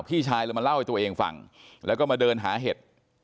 พี่ชายเลยมาเล่าให้ตัวเองฟังแล้วก็มาเดินหาเห็ด